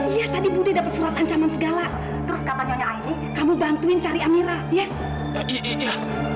iya tadi budi dapat surat ancaman segala terus kamu bantuin cari amira ya iya